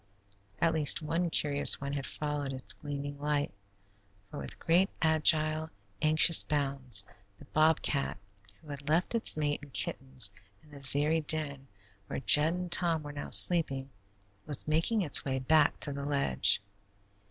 At least one curious one had followed its gleaming light, for with great, agile, anxious bounds, the bobcat, who had left its mate and kittens in the very den where Jud and Tom were now sleeping, was making its way back to the ledge.